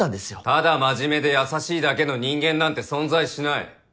ただ真面目で優しいだけの人間なんて存在しない。